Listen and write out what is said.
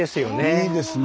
いいですね。